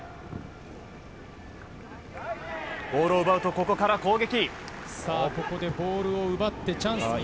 ボールを奪うと、ここから攻撃。